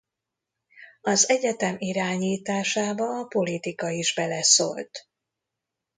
Az egyetem irányításába a politika is beleszólt.